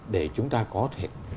để chúng ta có thể